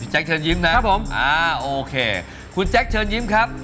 คุณแจ็คเชิญยิ้มค่ะอ่าโอเคคุณแจ็คเชิญยิ้มครับ